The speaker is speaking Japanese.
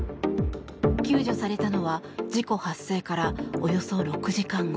救助されたのは事故発生からおよそ６時間後。